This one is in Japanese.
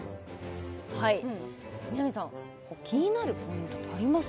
はい南さん気になるポイントってあります？